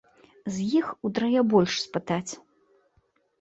І з іх утрая больш спытаць.